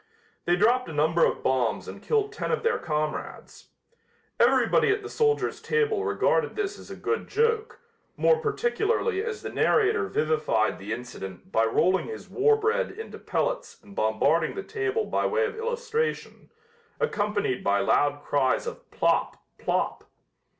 They dropped a number of bombs and killed ten of their comrades. Everybody at the soldier's table regarded this as a good joke, more particularly as the narrator vivified the incident by rolling his war bread into pellets and bombarding the table by way of illustration, accompanied by loud cries of "Plop! Plop!"